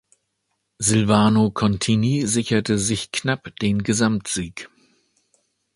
Silvano Contini sicherte sich knapp den Gesamtsieg.